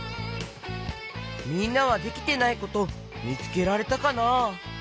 みんなはできてないことみつけられたかな？